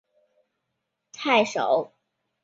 太守怀恨而将他捕拿。